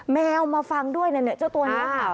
แมวมาฟังด้วยนะเนี่ยเจ้าตัวนี้